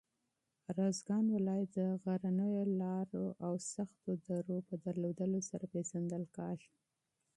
اروزګان ولایت د غرنیو لاره او سختو درو په درلودلو سره پېژندل کېږي.